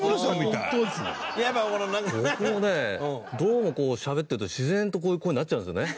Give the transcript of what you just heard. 僕もねどうもこうしゃべってると自然とこういう声になっちゃうんですよね。